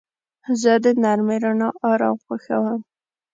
زه د نرمې رڼا آرام خوښوم.